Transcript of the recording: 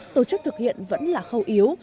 tổ chức thực hiện vẫn là khâu yếu